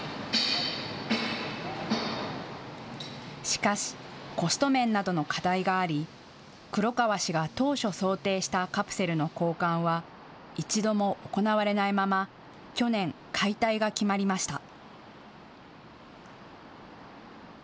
しかしコスト面などの課題があり黒川氏が当初想定したカプセルの交換は一度も行われないまま去年、解体が決まりました。